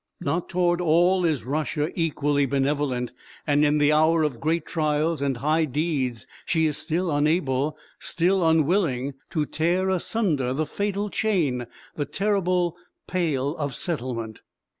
Not toward all is Russia equally benevolent, and in the hour of great trials and high deeds she is still unable, still unwilling, to tear asunder the fatal chain, the terrible "Pale of Settlement."